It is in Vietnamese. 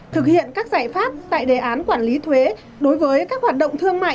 thực hiện các giải pháp tại đề án quản lý thuế đối với các hoạt động thương mại